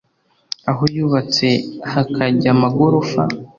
aho yubatse hakajya amagorofa